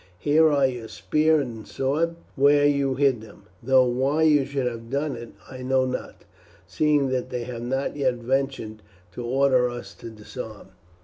Here are your spear and sword where you hid them, though why you should have done it I know not, seeing that they have not yet ventured to order us to disarm."